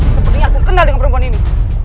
sepertinya aku kenal dengan perempuan ini